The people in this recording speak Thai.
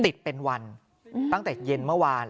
ติดเป็นวันตั้งแต่เย็นเมื่อวาน